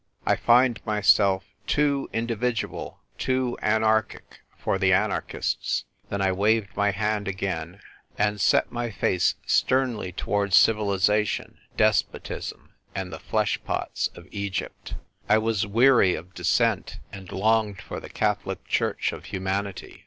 I find myself tco individual, too anarchic for the anarchists !" Then I waved my hand again, and set my face sternly towards civilisation, despotism, and the flesh pots of Egypt. I was weary of dissent, and longed for the catholic church of humanity.